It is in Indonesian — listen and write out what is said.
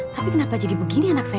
tapi kenapa jadi begini anak saya